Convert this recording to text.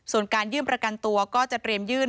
ส่วนการยื่นประกันตัวก็จะเตรียมยื่น